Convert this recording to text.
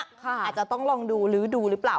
อาจจะต้องลองดูลื้อดูหรือเปล่า